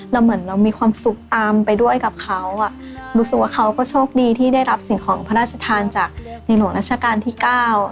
เหมือนเรามีความสุขตามไปด้วยกับเขาอ่ะรู้สึกว่าเขาก็โชคดีที่ได้รับสิ่งของพระราชทานจากในหลวงราชการที่เก้า